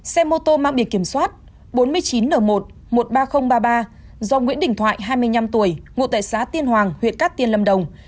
xe mô tô mang bị kiểm soát bốn mươi chín n một một mươi ba nghìn ba mươi ba do nguyễn đình thoại hai mươi năm tuổi ngụ tại xã tiên hoàng huyện cát tiên lâm đồng